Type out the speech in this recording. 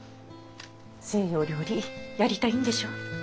西洋料理やりたいんでしょ？